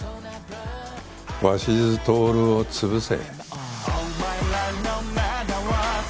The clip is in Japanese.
鷲津亨を潰せ。